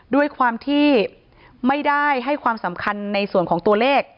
ด้วยความที่ไม่ได้ให้ความสำคัญในส่วนของตัวเลข